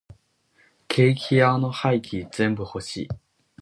ケーキ屋の廃棄全部欲しい。